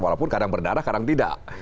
walaupun kadang berdarah kadang tidak